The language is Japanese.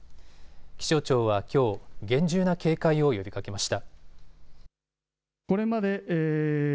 気象庁はきょう、厳重な警戒を呼びかけました。